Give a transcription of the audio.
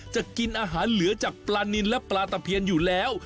จะกินอาหารเหลือจากปลานินและปลาตะเพียนอยู่แล้ว